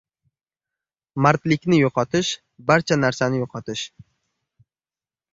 Mardlikni yo‘qotish – barcha narsani yo‘qotish.